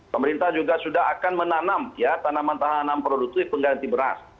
pemerintah juga sudah akan menanam ya tanaman tahanan produktif pengganti beras